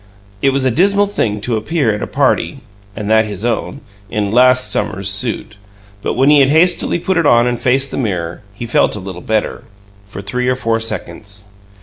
It was a dismal thing to appear at a "party" (and that his own) in "last summer's suit," but when he had hastily put it on and faced the mirror, he felt a little better for three or four seconds.